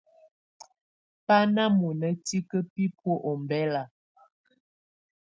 Bà ná munà tikǝ́ bibuǝ́ ɔmbela.